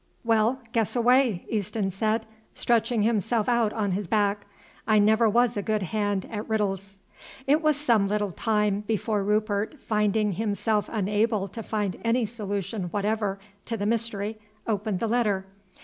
"Well, guess away," Easton said, stretching himself out on his back. "I never was a good hand at riddles." It was some little time before Rupert, finding himself unable to find any solution whatever to the mystery, opened the letter.